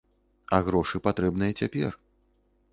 А грошы патрэбныя цяпер.